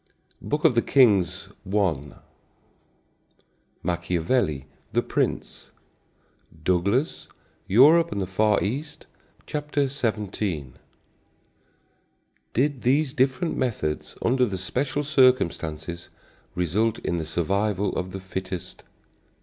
I Kings 1; Machiavelli, The Prince; Douglas, Europe and the Far East, Ch. 17. Did these different methods under the special circumstances result in the survival of the fittest?